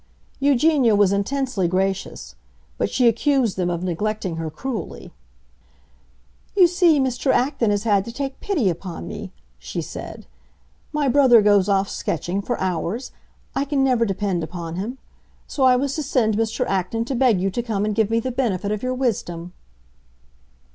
Eugenia was intensely gracious, but she accused them of neglecting her cruelly. "You see Mr. Acton has had to take pity upon me," she said. "My brother goes off sketching, for hours; I can never depend upon him. So I was to send Mr. Acton to beg you to come and give me the benefit of your wisdom."